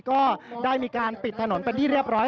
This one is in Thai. ก็ได้มีการปิดถนนเป็นที่เรียบร้อย